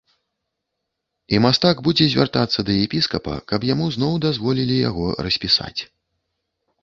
І мастак будзе звяртацца да епіскапа, каб яму зноў дазволілі яго распісаць.